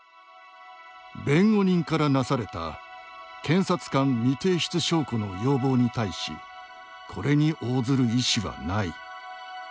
「弁護人からなされた検察官未提出証拠の要望に対しこれに応ずる意思はない」